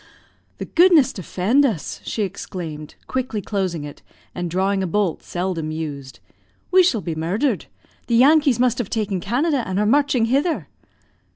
"The goodness defend us!" she exclaimed, quickly closing it, and drawing a bolt seldom used. "We shall be murdered. The Yankees must have taken Canada, and are marching hither."